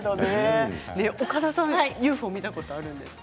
岡田さんはＵＦＯ見たことあるんですって？